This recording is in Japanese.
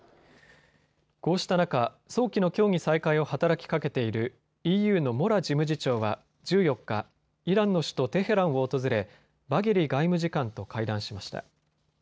こうした中、早期の協議再開を働きかけているＥＵのモラ事務次長は１４日、イランの首都テヘランを訪れバゲリ外務次官と会談しました。